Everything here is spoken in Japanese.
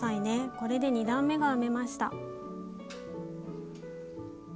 これで２段めが編めました。